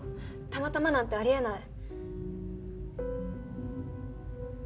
たまたまなんてあり得ない。